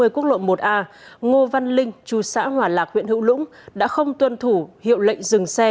quốc lộ một a ngô văn linh trụ sở hoàn lạc huyện hữu lũng đã không tuân thủ hiệu lệnh dừng xe